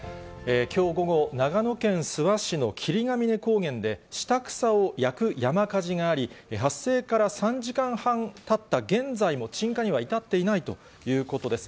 きょう午後、長野県諏訪市の霧ヶ峰高原で、下草を焼く山火事があり、発生から３時間半たった現在も、鎮火には至っていないということです。